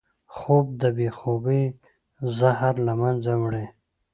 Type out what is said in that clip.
خوب د بې خوبۍ زهر له منځه وړي